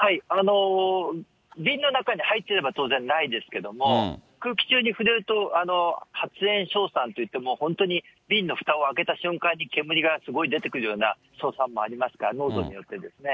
瓶の中に入ってれば当然ないですけれども、空気中に触れると、発煙硝酸といってもう本当に瓶のふたを開けた瞬間に煙がすごい出てくるような硝酸もありますから、濃度によってですね。